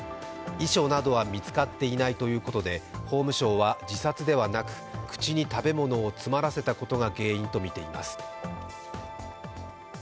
遺書などは見つかっていないということで、法務省は自殺ではなく口に食べ物を詰まらせたことが原因と見ています。